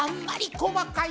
細かい。